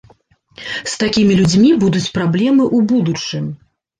З такімі людзьмі будуць праблемы ў будучым.